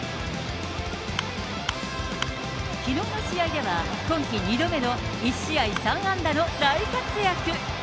きのうの試合では、今季２度目の１試合３安打の大活躍。